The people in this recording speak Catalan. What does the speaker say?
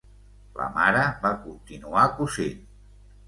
La mare va continuar cosint.